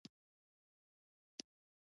هغه نجلۍ ډوډۍ خوري